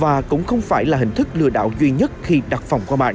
và cũng không phải là hình thức lừa đảo duy nhất khi đặt phòng qua mạng